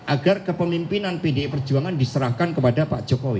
agar kepemimpinan pdi perjuangan diserahkan kepada pak jokowi